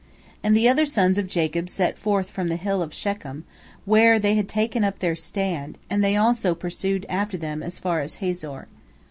And the other sons of Jacob set forth from the Hill of Shechem, where they had taken up their stand, and they also pursued after them as far as Hazor.